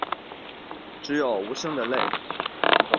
只有无声的泪